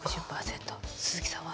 鈴木さんは？